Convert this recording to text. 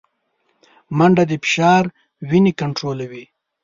منډه د فشار وینې کنټرولوي